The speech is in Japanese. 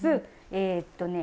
えっとね